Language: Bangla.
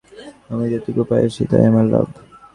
আমি যেটুকু পাইয়াছি তাই আমার লাভ।